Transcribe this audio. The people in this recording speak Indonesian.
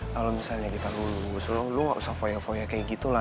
kalau misalnya kita lulus lu gak usah foya foya kayak gitu lah